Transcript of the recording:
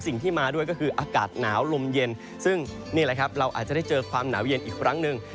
สิ่งที่มาด้วยก็คืออากาศหนาวลมเย็นซึ่งนี่แหละครับเราอาจจะได้เจอความหนาวเย็นอีกครั้งหนึ่ง